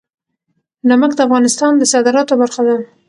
نمک د افغانستان د صادراتو برخه ده.